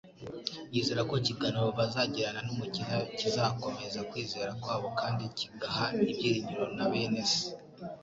yizera ko ikiganiro bazagirana n'umukiza kizakomeza kwizera kwabo kandi kigaha ibyiringiro na bene se.